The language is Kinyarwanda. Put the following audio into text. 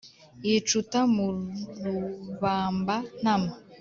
yicuta mu rubamba-ntama.